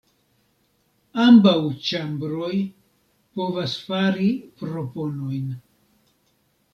Ambaŭ ĉambroj povas fari proponojn.